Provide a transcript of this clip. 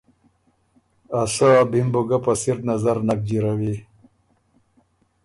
ا سۀ ا بی م بُو ګۀ په سِر نظر نک جیروی۔